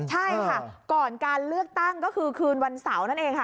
ใช่ค่ะก่อนการเลือกตั้งก็คือคืนวันเสาร์นั่นเองค่ะ